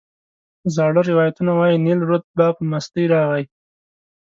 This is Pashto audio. زاړه روایتونه وایي نیل رود به په مستۍ راغی.